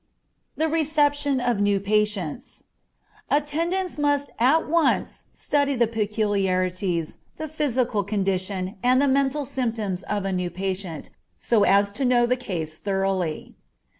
The Reception of New Patients. Attendants must at once study the peculiarities, the physical condition, and the mental symptoms of a new patient, so as to know the case thoroughly.